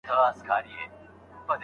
املا د نويو کلمو په زده کولو کي ګټوره ده.